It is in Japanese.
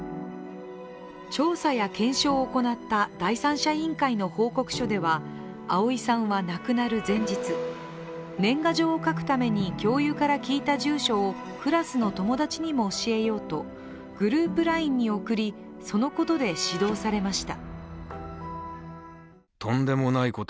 調査や検証を行った第三者委員会の報告書では碧さんは亡くなる前日、年賀状を書くために教諭から聞いた住所をクラスの友達にも教えようとグループＬＩＮＥに送り、そのことで指導されました。